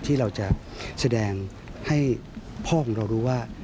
ที่เราจะแสดงให้พ่อของเรารู้ว่า